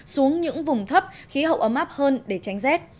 xuống những vùng thấp khí hậu ấm áp hơn để tránh rét